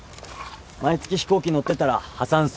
毎月飛行機乗ってたら破産する。